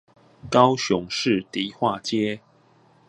高雄市迪化街